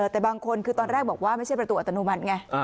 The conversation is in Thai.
แต่บางคนคือตอนแรกบอกว่าไม่ใช่ประตูอัตโนมัติไง